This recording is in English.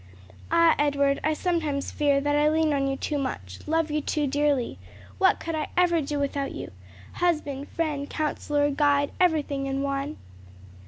"Ah, Edward, I sometimes fear that I lean on you too much, love you too dearly! What could I ever do without you husband, friend, counsellor, guide everything in one?"